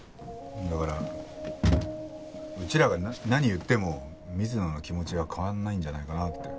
だからうちらが何を言っても水野の気持ちは変わらないんじゃないかなって。